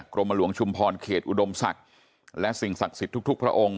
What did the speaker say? กรมหลวงชุมพรเขตอุดมศักดิ์และสิ่งศักดิ์สิทธิ์ทุกพระองค์